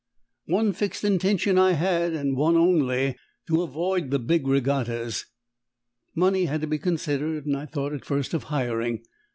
One fixed intention I had, and one only to avoid the big regattas. Money had to be considered, and I thought at first of hiring.